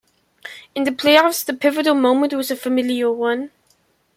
In the playoffs, the pivotal moment was a familiar one.